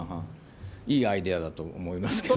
いいアイデアだと思いますけど。